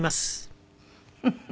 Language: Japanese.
フフフ！